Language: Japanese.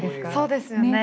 そうですよね。